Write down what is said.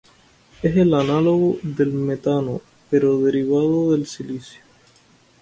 Es el análogo del metano, pero derivado del silicio.